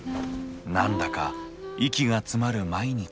何だか息が詰まる毎日。